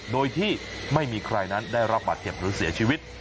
โดยที่ไม่มีใครนั้นได้รับบาดเจ็บหรือเสียชีวิต